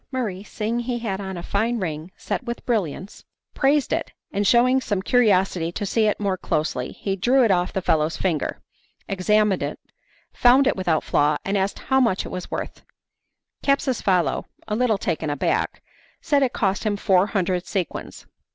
Murray seeing he had on a fine ring set with brilliants, praised it, and shewing some curiosity to see it more closely he drew it off the fellow's finger, examined it, found it without flaw, and asked how much it was worth. Capsucefalo, a little taken aback, said it cost him four hundred sequins.